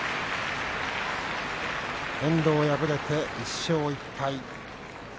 遠藤、敗れて１勝１敗。